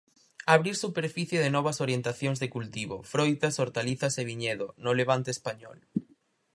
Abrir superficie de novas orientacións de cultivo: froitas, hortalizas e viñedo, no Levante español.